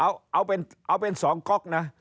ครับเอาเป็น๒ก๊อกนะ